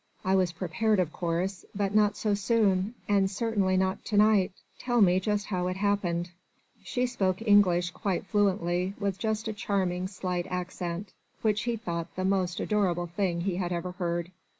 I was prepared of course ... but not so soon ... and certainly not to night. Tell me just how it happened." She spoke English quite fluently, with just a charming slight accent, which he thought the most adorable thing he had ever heard.